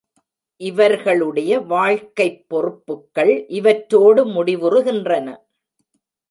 இவர்களுடைய வாழ்க்கைப் பொறுப்புக்கள் இவற்றோடு முடிவுறுகின்றன.